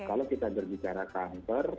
kalau kita berbicara kanker